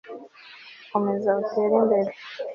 komeza utere imbere